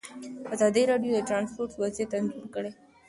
ازادي راډیو د ترانسپورټ وضعیت انځور کړی.